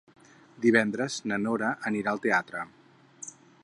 Divendres na Nora anirà al teatre.